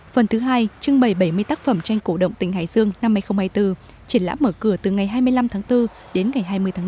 phần thứ hai trưng bày bảy mươi tác phẩm tranh cổ động tỉnh hải dương năm hai nghìn hai mươi bốn triển lãm mở cửa từ ngày hai mươi năm tháng bốn đến ngày hai mươi tháng bốn